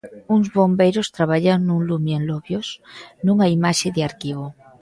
Uns bombeiros traballan nun lume en Lobios, nunha imaxe de arquivo.